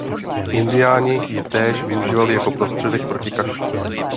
Indiáni ji též využívali jako prostředek proti kašli.